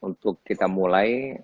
untuk kita mulai